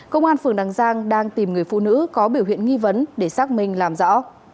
công an phường đằng giang đang tìm người phụ nữ có biểu hiện nghi vấn để xác minh làm rõ